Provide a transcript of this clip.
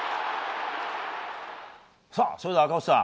それでは赤星さん